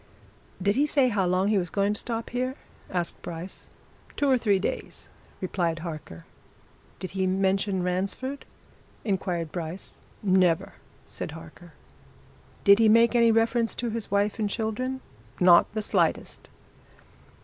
"Did he say how long he was going to stop here?" asked Bryce. "Two or three days," replied Harker. "Did he mention Ransford?" inquired Bryce. "Never!" said Harker. "Did he make any reference to his wife and children?" "Not the slightest!"